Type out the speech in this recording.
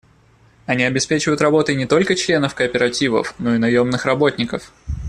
Они обеспечивают работой не только членов кооперативов, но и наемных работников.